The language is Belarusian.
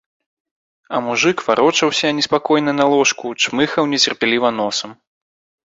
А мужык варочаўся неспакойна на ложку, чмыхаў нецярпліва носам.